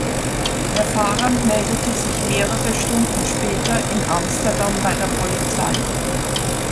Der Fahrer meldete sich mehrere Stunden später in Amsterdam bei der Polizei.